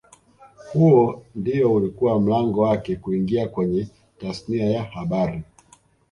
Huo ndio ulikuwa mlango wake kuingia kwenye tasnia ya habari